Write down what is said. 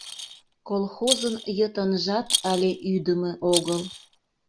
Колхозын йытынжат але ӱдымӧ огыл.